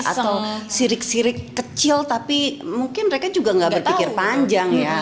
atau sirik sirik kecil tapi mungkin mereka juga nggak berpikir panjang ya